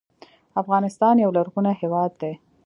افغانستان یو لرغونی هېواد دی